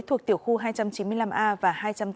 thuộc tiểu khu hai trăm chín mươi năm a và hai trăm tám mươi sáu